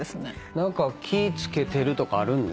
何か気ぃ付けてるとかあるんですか？